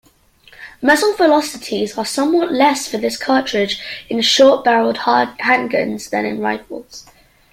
Muzzle velocities are somewhat less for this cartridge in short-barreled handguns than in rifles.